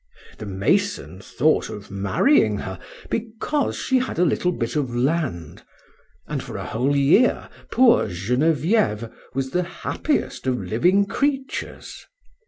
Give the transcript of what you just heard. The mason thought of marrying her because she had a little bit of land, and for a whole year poor Genevieve was the happiest of living creatures.